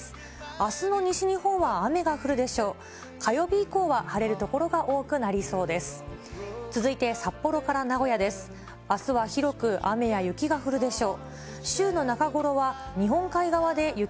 あすの西日本は雨が降るでしょう。